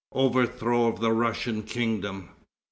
Overthrow of the Russian Kingdom.